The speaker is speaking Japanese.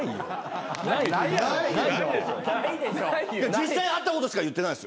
実際あったことしか言ってないですよ。